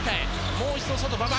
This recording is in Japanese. もう一度外馬場。